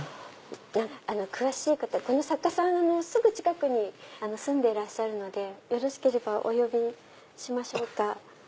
詳しいことこの作家さん近くに住んでらっしゃるのでよろしければお呼びしましょうか。